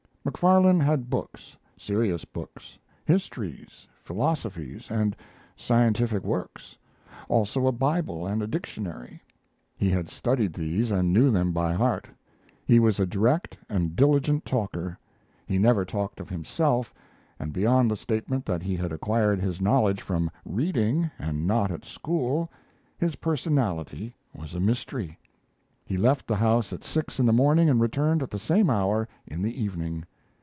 Macfarlane had books, serious books: histories, philosophies, and scientific works; also a Bible and a dictionary. He had studied these and knew them by heart; he was a direct and diligent talker. He never talked of himself, and beyond the statement that he had acquired his knowledge from reading, and not at school, his personality was a mystery. He left the house at six in the morning and returned at the same hour in the evening.